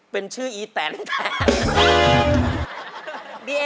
เป็นชื่ออีแตนแทน